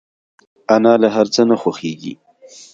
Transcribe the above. انا له هر څه نه خوښيږي